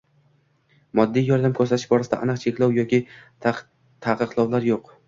moddiy yordam ko‘rsatish borasida aniq cheklov yoki ta’qiqlovlar yo‘q.